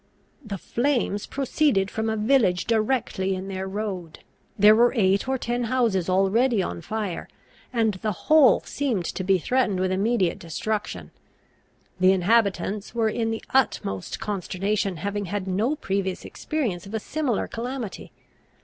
The flames proceeded from a village directly in their road. There were eight or ten houses already on fire, and the whole seemed to be threatened with immediate destruction. The inhabitants were in the utmost consternation, having had no previous experience of a similar calamity.